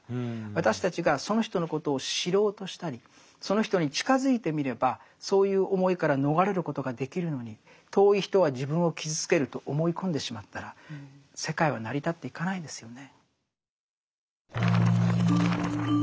私たちがその人のことを知ろうとしたりその人に近づいてみればそういう思いから逃れることができるのに遠い人は自分を傷つけると思い込んでしまったら世界は成り立っていかないですよね。